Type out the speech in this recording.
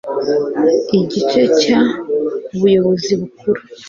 IGICE CYA UBUYOBOZI BUKURU